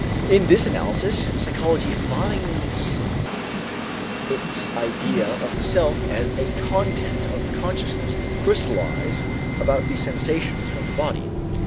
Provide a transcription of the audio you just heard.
In this analysis, psychology finds its idea of the self as a content of consciousness crystallized about the sensations from the body.